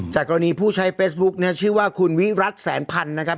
กรณีผู้ใช้เฟซบุ๊คเนี่ยชื่อว่าคุณวิรัติแสนพันธ์นะครับ